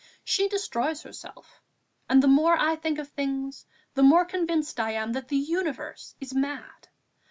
She destroys herself, and the more I think of things, the more convinced I am that the universe is mad.